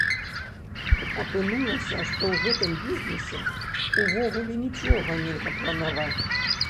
Апынулася, што ў гэтым бізнесе ўвогуле нічога нельга планаваць.